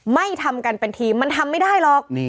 ไม่ทำกันเป็นทีมมันทำไม่ได้หรอก